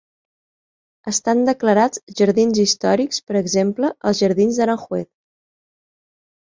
Estan declarats jardins històrics, per exemple, els Jardins d'Aranjuez.